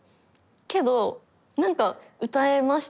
けどなんか歌えましたね。